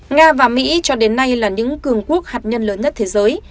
nga và mỹ cho đến nay là những cường quốc hạt nhân lớn nhất thế giới